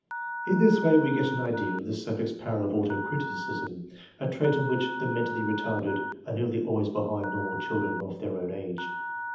" In this way we get an idea of the subject's power of auto criticism, a trait in which the mentally retarded are nearly always behind normal children of their own age.